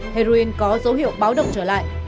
heroin có dấu hiệu báo động trở lại